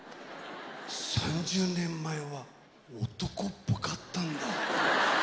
３０年前は男っぽかったんだ。